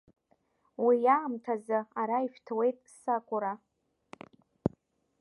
Уи аамҭазы ара ишәҭуеит сакура.